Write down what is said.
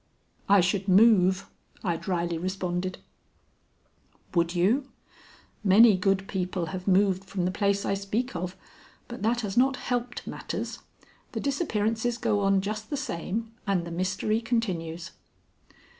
"I should move," I dryly responded. "Would you? Many good people have moved from the place I speak of, but that has not helped matters. The disappearances go on just the same and the mystery continues."